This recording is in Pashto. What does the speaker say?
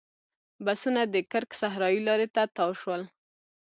بسونه د کرک صحرایي لارې ته تاو شول.